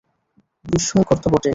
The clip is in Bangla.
বিস্ময়কর তো বটেই।